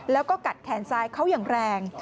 แล้วก็กัดแขนซ้ายเขาอย่างแรง